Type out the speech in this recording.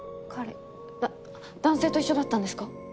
男性と一緒だったんですか？